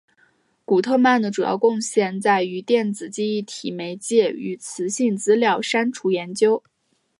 古特曼的主要贡献在于电子记忆体媒介与磁性资料删除研究。